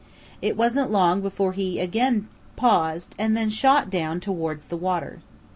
It wasn't long before he again paused and then shot down towards the water.